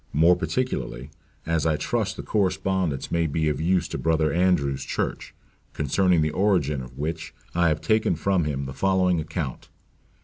more particularly, as I trust the correspondence may be of use to Brother Andrew's church; concerning the origin of which, I have taken from him the following account.